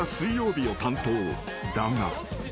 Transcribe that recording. ［だが］